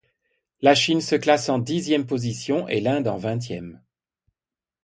La Chine se classe en dixième position et l'Inde en vingtième.